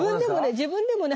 自分でもね